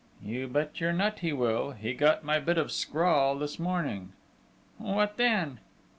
"You bet your nut he will!... He got my bit of a scrawl this morning...." "What then?"